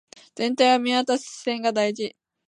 全体を見渡す視点が大事